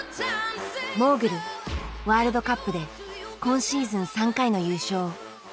モーグルワールドカップで今シーズン３回の優勝。